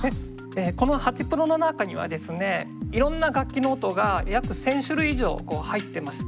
このハチプロの中にはですねいろんな楽器の音が約１，０００種類以上こう入ってます。